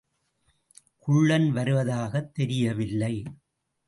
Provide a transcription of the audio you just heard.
குள்ளன் வருவதாகத் தெரியவில்லை.